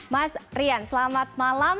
mas rian selamat malam